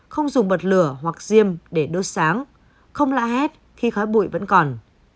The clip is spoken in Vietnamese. không dùng bật lửa hoặc diêm để đốt sáng không la hét khi khói bụi vẫn còn